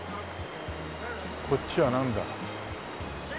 こっちはなんだ？